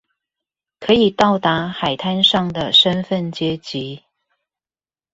可以到達海灘上的身份階級